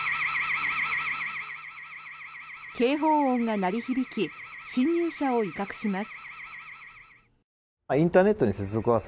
警報音が鳴り響き侵入者を威嚇します。